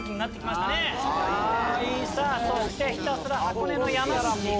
そしてひたすら箱根の山道。